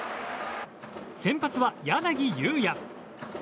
先発は柳裕也。